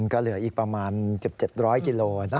ก็เหลืออีกประมาณ๑๗๐๐กิโลนะ